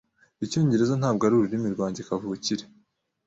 Icyongereza ntabwo ari ururimi rwanjye kavukire.